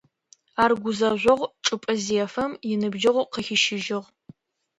Ар гузэжъогъу чӏыпӏэ зефэм, иныбджэгъу къыхищыжьыгъ.